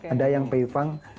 ada yang pei fang